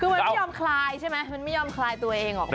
คือมันไม่ยอมคลายใช่ไหมมันไม่ยอมคลายตัวเองออกมา